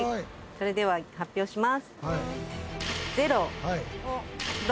それでは発表します。